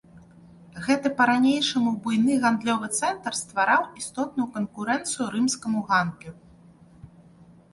Гэты па-ранейшаму буйны гандлёвы цэнтр ствараў істотную канкурэнцыю рымскаму гандлю.